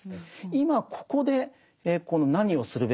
今ここで何をするべきなのか。